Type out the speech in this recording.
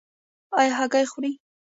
ایا هګۍ خورئ؟